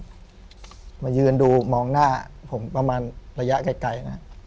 มาเลี่ยงนึงดูมองหน้าประมาณระยะไกล